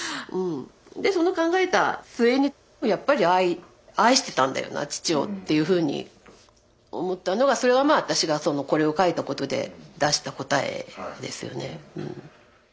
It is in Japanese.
でその考えた末にやっぱり愛してたんだよな父をっていうふうに思ったのがそれがまあ私がこれを書いたことで出した答えですよねうん。